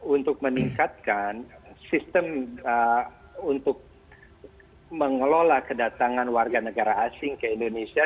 untuk meningkatkan sistem untuk mengelola kedatangan warga negara asing ke indonesia